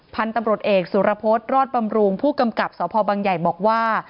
พันธุ์ตำรวจเอกสุรพฤษรอดบำรุงผู้กำกับสพบังใหญ่บอกว่า